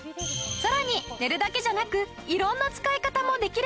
さらに寝るだけじゃなく色んな使い方もできるんだよ！